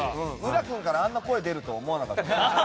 浦君からあんな声が出るなんて思わなかった。